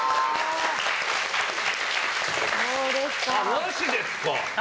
なしですか？